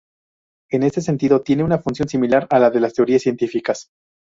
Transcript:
En este sentido, tienen una función similar a la de las teorías científicas.